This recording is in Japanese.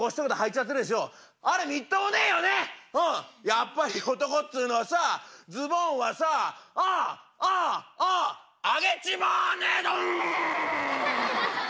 やっぱり男っつうのはさズボンはさああああああ上げちまわねえと！